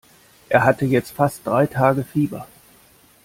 Er hatte jetzt fast drei Tage Fieber.